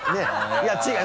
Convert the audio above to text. いや違う！